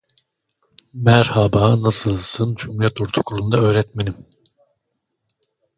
I can't make you out, Mr. Jackson.